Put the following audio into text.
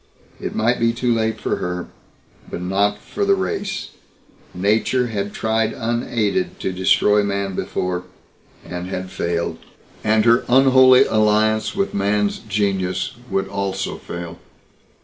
It might be too late for her, but not for the race. Nature had tried unaided to destroy man before and had failed. And her unholy alliance with man's genius would also fail.